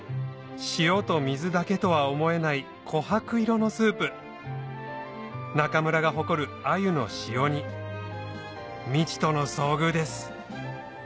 塩と水だけとは思えないこはく色のスープ中村が誇る鮎の塩煮未知との遭遇です